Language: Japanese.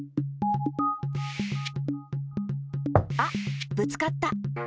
あっぶつかった。